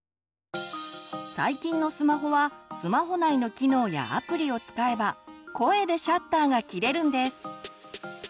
最近のスマホはスマホ内の機能やアプリを使えば声でシャッターがきれるんです。